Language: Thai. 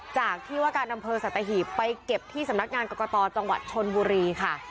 จากที่ว่าการอำเภอสัตหีบไปเก็บที่สำนักงานกรกตจังหวัดชนบุรีค่ะ